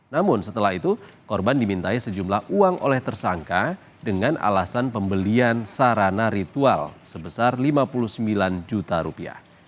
namun setelah itu korban dimintai sejumlah uang oleh tersangka dengan alasan pembelian sarana ritual sebesar lima puluh sembilan juta rupiah